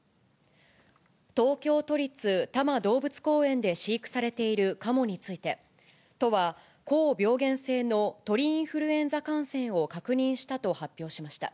東京都立多摩動物公園で飼育されているカモについて、都は高病原性の鳥インフルエンザ感染を確認したと発表しました。